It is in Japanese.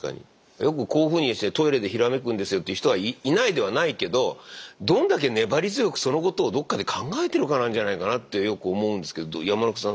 よくこういうふうにしてトイレでひらめくんですよという人はいないではないけどどんだけ粘り強くそのことをどっかで考えてるからなんじゃないかなってよく思うんですけど山中さん